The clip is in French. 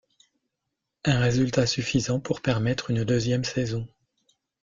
Un résultat suffisant pour permettre une deuxième saison.